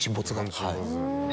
はい。